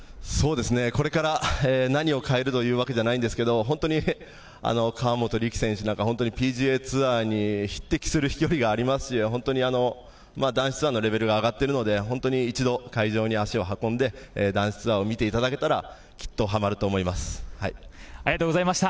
これから何を変えるというわけじゃないんですけど、河本力選手なんか、本当にＰＧＡツアーに匹敵する飛距離がありますし、男子ツアーのレベルが上がってるので、本当に一度、会場に足を運んで、男子ツアーを見ていただけたらきっとはまると思います。